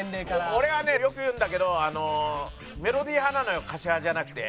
俺はねよく言うんだけどメロディー派なのよ歌詞派じゃなくて。